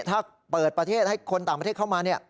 ถ้าเปิดประเทศให้คนต่างประเทศเข้ามา